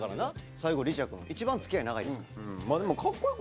最後リチャくん一番つきあい長いですから。